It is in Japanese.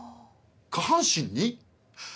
下半身に？」。